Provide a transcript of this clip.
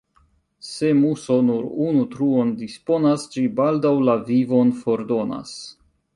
Se muso nur unu truon disponas, ĝi baldaŭ la vivon fordonas.